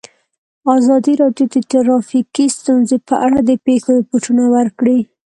ازادي راډیو د ټرافیکي ستونزې په اړه د پېښو رپوټونه ورکړي.